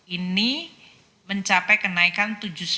ini mencapai kenaikan tujuh puluh sembilan dua